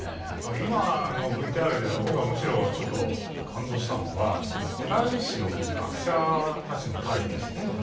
今のＶＴＲで僕がむしろちょっと感動したのは古代史の学者たちの態度ですね。